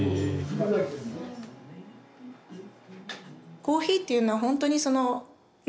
コーヒーっていうのはほんとにそのね